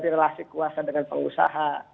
relasi kuasa dengan pengusaha